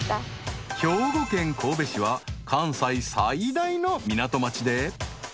［兵庫県神戸市は関西最大の港町で］